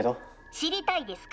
知りたいですか？